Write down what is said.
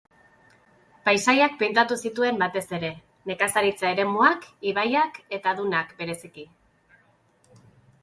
Paisaiak pintatu zituen batez ere, nekazaritza-eremuak, ibaiak eta dunak bereziki.